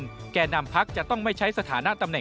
๔เงินจากการจัดกิจกรรมระดมทุนเช่นจัดระดมทุนขายโต๊ะจีน